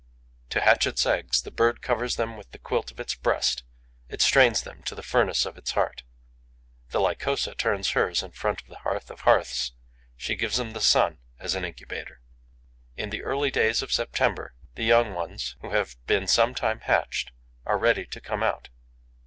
To hatch its eggs, the bird covers them with the quilt of its breast; it strains them to the furnace of its heart. The Lycosa turns hers in front of the hearth of hearths, she gives them the sun as an incubator. In the early days of September, the young ones, who have been some time hatched, are ready to come out.